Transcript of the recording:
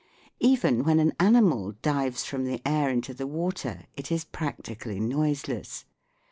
Even when an animal dives from the air into the water it is practically noiseless.